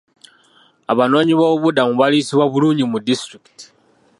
Abanoonyi boobubudamu baliisibwa bulungi mu disitulikiti.